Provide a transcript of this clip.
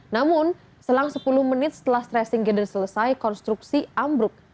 namun selang sepuluh menit setelah stressing gider selesai konstruksi ambruk